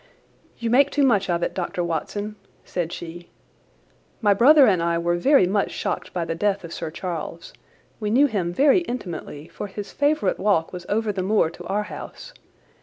"You make too much of it, Dr. Watson," said she. "My brother and I were very much shocked by the death of Sir Charles. We knew him very intimately, for his favourite walk was over the moor to our house.